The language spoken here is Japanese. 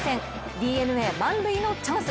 ＤｅＮＡ満塁のチャンス